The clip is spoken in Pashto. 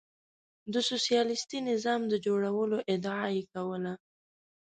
د سوسیالیستي نظام د جوړولو ادعا یې کوله.